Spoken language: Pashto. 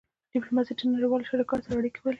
ډیپلوماسي د نړیوالو شریکانو سره اړیکې پالي.